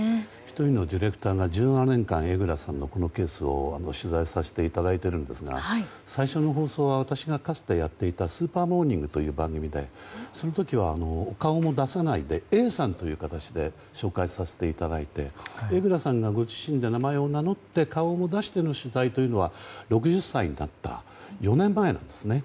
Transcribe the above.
１人のディレクターが１８年間、江蔵さんのこのケースを取材させていただいているんですが最初の放送は私がかつてやっていた「スーパーモーニング」という番組でその時はお顔も出せないでＡさんという形で紹介させていただいて江蔵さんがご自身の顔を出して名前を出しての取材は６０歳になった４年前なんですね。